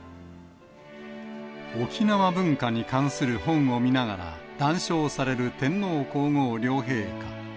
沖縄文化に関する本を見ながら、談笑される天皇皇后両陛下。